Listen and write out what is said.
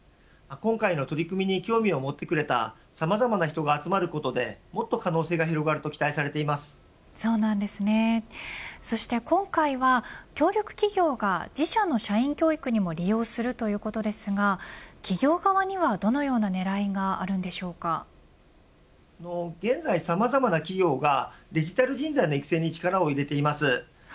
今回の取り組みに興味を持ってくれたさまざまな人が集まることでもっと可能性が広がるとそして今回は、協力企業が自社の社員教育にも利用するということですが企業側にはどのような狙いが現在、さまざまな企業がデジタル人材の育成に力を入れています。